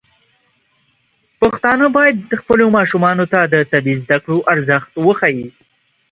پښتانه بايد خپلو ماشومانو ته د طبي زده کړو ارزښت وښيي.